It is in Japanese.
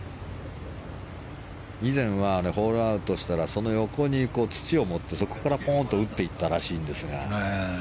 以前はホールアウトしたらその横に土を盛ってそこからポンと打っていったらしいんですが。